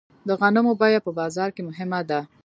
د غنمو بیه په بازار کې مهمه ده.